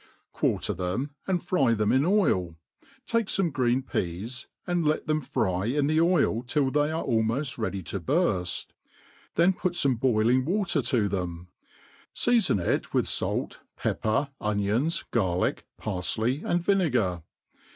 QUARTER them, and fry them in oil ; take fome graen peas, and let them fry in the oil till they are almoft ready to burfti then put fome boiling water to them ; feafon it with' fait, pepper, onions, garlick, parfley, and vinegar.